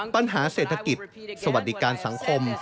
ปัญหาเศรษฐกิจสวัสดิการสังคม